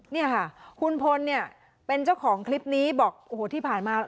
เนี่ยค่ะคุณพลเนี่ยเป็นเจ้าของคลิปนี้บอกโอ้โหที่ผ่านมา